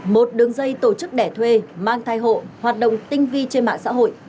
một đường dây tổ chức đẻ thuê mang thai hộ hoạt động tinh vi trên mạng xã hội